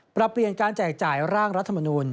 ปรับเปลี่ยนการแจกจ่ายร่างรัฐมนูล